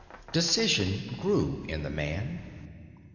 Decision grew in the man.